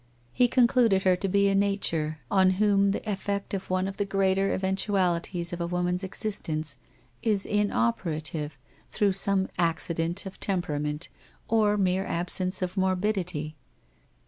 He concluded her to be a nature on whom the effect of one of the greater eventualities of a woman's existence is inoperative through some accident of tempera ment or mere absence of morbidity.